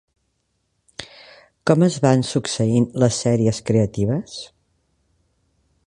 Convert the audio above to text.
Com es van succeint les sèries creatives?